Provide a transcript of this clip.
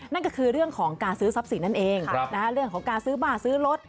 นั่นก็คือเรื่องของการซื้อทรัพย์สินนั่นเองเรื่องของการซื้อบ้าซื้อรถ